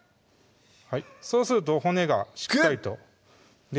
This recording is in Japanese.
はいそうすると骨がしっかりとグッ！